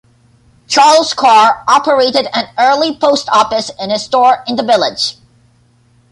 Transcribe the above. Charles Carr operated an early post office in his store in the village.